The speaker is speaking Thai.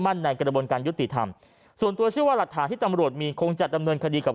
ในกระบวนการยุติธรรมส่วนตัวเชื่อว่าหลักฐานที่ตำรวจมีคงจะดำเนินคดีกับ